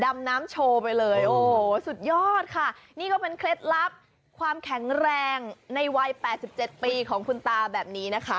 ดำน้ำโชว์ไปเลยโอ้โหสุดยอดค่ะนี่ก็เป็นเคล็ดลับความแข็งแรงในวัย๘๗ปีของคุณตาแบบนี้นะคะ